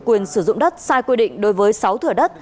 quyền sử dụng đất sai quy định đối với sáu thửa đất